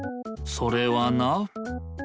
それはな。